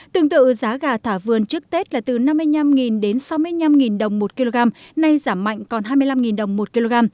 tương tự giá gà thả vườn trước tết là từ năm mươi năm đến sáu mươi năm đồng một kg nay giảm mạnh còn hai mươi năm đồng một kg